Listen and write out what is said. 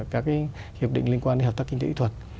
các hiệp định liên quan đến hợp tác kinh tế y thuật